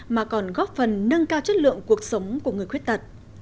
mà còn góp phần nâng cao chất lượng cuộc sống của người khuyết tật